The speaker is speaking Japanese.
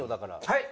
はい？